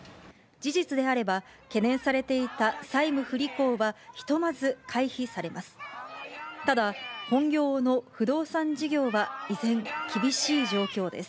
事実であれば、懸念されていた債務不履行はひとまず回避されます。